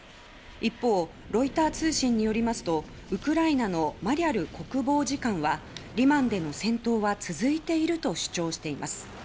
一方、ロイター通信によりますとウクライナのマリャル国防次官はリマンでの戦闘は続いていると主張しています。